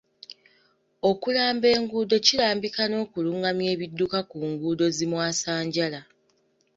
Okulamba enguudo kirambika n'okulungamya ebidduka ku nguudo zi mwasanjala.